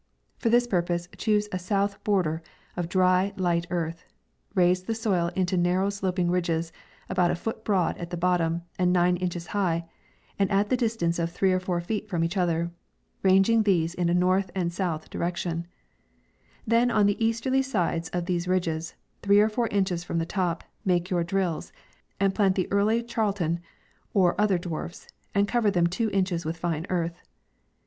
For this purpose choose a south border, of dry, light earth ; raise the soil into narrow sloping ridges, about a foot broad at the bottom, and nine inches high, and at the distance of three feet from each other, ranging these in a north and south di rection ; then on the easterly sides of these ridges, three or four inches from the top, make your drills, and plant the early Charl ton, or other dwarfs, and cover them two inches with line earth.